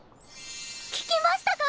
聞きましたか！？